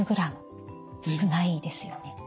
少ないですよね。